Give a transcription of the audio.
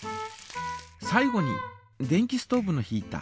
最後に電気ストーブのヒータ。